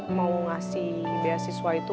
mau ngasih beasiswa itu